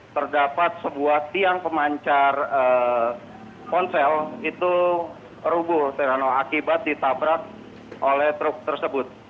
terdapat sebuah tiang pemancar ponsel itu rubuh serano akibat ditabrak oleh truk tersebut